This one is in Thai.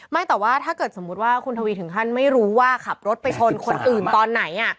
ไม่แต่ว่าถ้าเกิดสมมุติว่าคุณทวีถึงขั้นไม่รู้ว่าขับรถไปชนคนอื่นตอนไหน